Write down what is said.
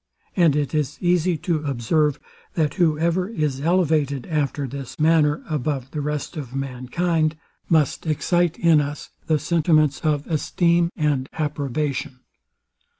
And it is easy to observe, that whoever is elevated, after this manner, above the rest of mankind, must excite in us the sentiments of esteem and approbation.